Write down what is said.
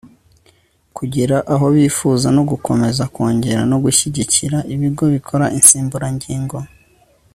kugera aho bifuza no gukomeza kwongera no gushyigikira ibigo bikora insimburangingo